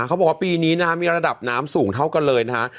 เขาบอกว่าปีนี้นะฮะมีระดับน้ำสูงเท่ากันเลยนะฮะ